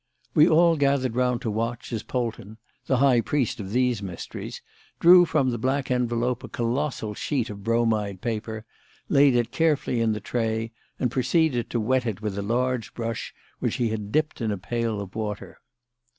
We all gathered round to watch, as Polton the high priest of these mysteries drew from the black envelope a colossal sheet of bromide paper, laid it carefully in the tray and proceeded to wet it with a large brush which he had dipped in a pail of water.